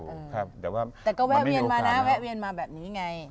แต่ก็แวะเวียนมานะแวะเวียนมาแบบนี้ไง